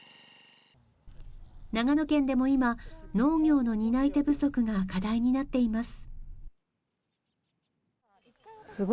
長野県でも今農業の担い手不足が課題になっています